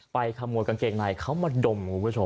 ไปขโมยกางเกงในเขามาดม